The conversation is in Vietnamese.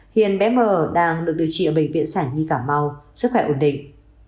hiện bé m đang được điều trị ở bệnh viện sản nhi cà mau sức khỏe ổn định